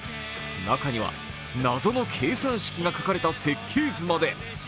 中には謎の計算式が書かれた設計図まで。